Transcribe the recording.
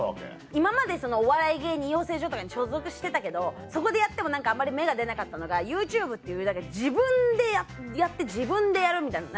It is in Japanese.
今までお笑い芸人養成所とかに所属してたけどそこでやってもあんまり芽が出なかったのがＹｏｕＴｕｂｅっていう自分でやって自分でやるみたいな。